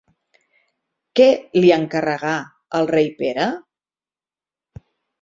Què li encarregà el rei Pere?